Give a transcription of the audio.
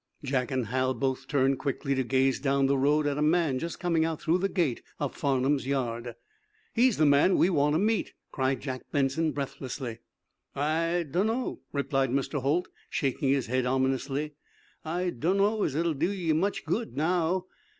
Jack and Hal both turned quickly to gaze down the road at a man just coming out through the gate of Farnum's yard. "He's the man we want to meet," cried Jack Benson, breathlessly. "I dunno," replied Mr. Holt, shaking his head, ominously. "I dunno as it'll do ye much good, now.